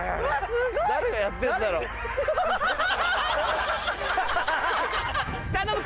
誰がやってんだろ。頼む！